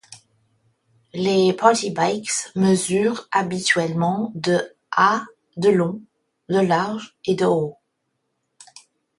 Les party bikes mesurent habituellement de à de long, de large et de haut.